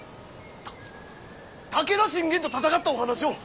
た武田信玄と戦ったお話を。